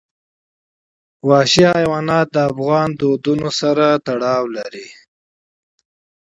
وحشي حیوانات د افغان کلتور سره تړاو لري.